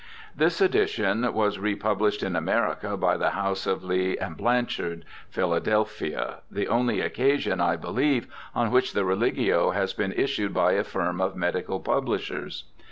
This edition was republished in America by the house of Lea & Blanchard \ Phila delphia, the only occasion, I believe, on which the Religio has been issued by a firm of medical publishers.